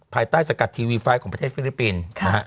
ภายใต้สกัดทีวีไฟล์ของประเทศฟิลิปปินส์